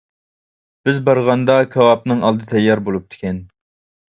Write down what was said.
بىز بارغاندا كاۋاپنىڭ ئالدى تەييار بولۇپتىكەن.